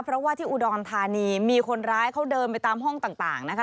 เพราะว่าที่อุดรธานีมีคนร้ายเขาเดินไปตามห้องต่างนะคะ